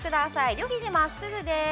両ひじ、まっすぐです。